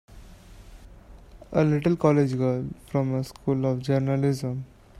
A little college girl from a School of Journalism!